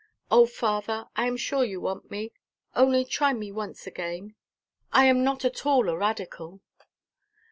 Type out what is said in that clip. "Oh, father, I am sure you want me. Only try me once again. I am not at all a radical."